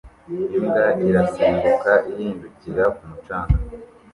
Imbwa irasimbuka ihindukira ku mucanga